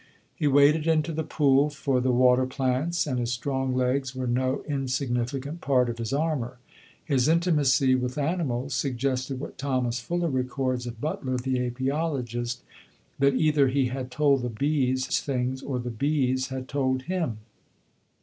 He waded into the pool for the water plants, and his strong legs were no insignificant part of his armor. His intimacy with animals suggested what Thomas Fuller records of Butler the apiologist, 'that either he had told the bees things, or the bees had told him.'